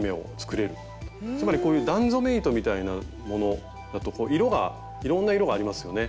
つまりこういう段染め糸みたいなものだといろんな色がありますよね。